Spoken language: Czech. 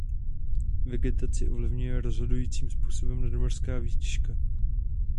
Vegetaci ovlivňuje rozhodujícím způsobem nadmořská výška.